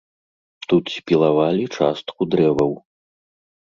Тут спілавалі частку дрэваў.